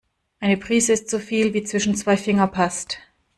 Eine Prise ist so viel, wie zwischen zwei Finger passt.